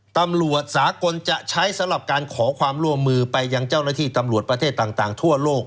ตำรวจสากลจะใช้สำหรับการขอความร่วมมือไปยังเจ้าหน้าที่ตำรวจประเทศต่างทั่วโลก